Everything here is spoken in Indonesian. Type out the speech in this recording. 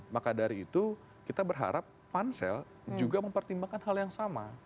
maka dari itu kita berharap pansel juga mempertimbangkan hal yang sama